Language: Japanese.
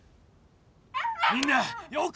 みんなよく見ろ